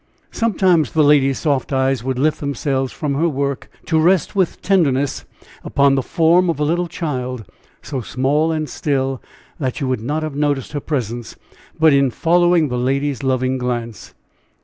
Sometimes the lady's soft eyes would lift themselves from her work to rest with tenderness upon the form of a little child, so small and still that you would not have noticed her presence but in following the lady's loving glance.